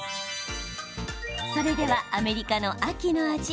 それでは、アメリカの秋の味